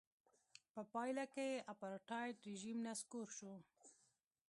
په پایله کې اپارټایډ رژیم نسکور شو.